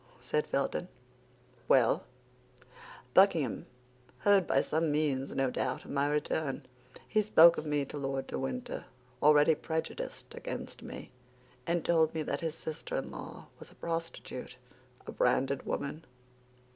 said Felton. "Well; Buckingham heard by some means, no doubt, of my return. He spoke of me to Lord de Winter, already prejudiced against me, and told him that his sister in law was a prostitute, a branded woman.